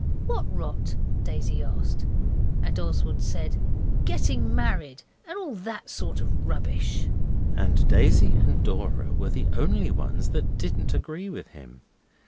'What rot?' Daisy asked. And Oswald said 'Getting married, and all that sort of rubbish.' And Daisy and Dora were the only ones that didn't agree with him.